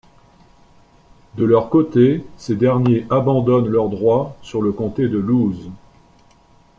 De leur côté, ces derniers abandonnent leurs droits sur le comté de Looz.